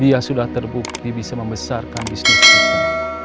dia sudah terbukti bisa membesarkan bisnis kita